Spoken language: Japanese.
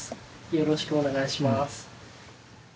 よろしくお願いします。